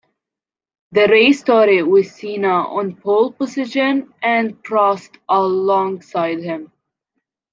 The race started with Senna on pole position and Prost alongside him.